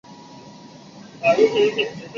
拉利佐尔人口变化图示